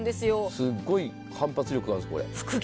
すごい反発力があるんです。